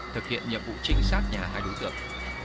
thực hiện nhiệm vụ trinh sát nhà hai đối tượng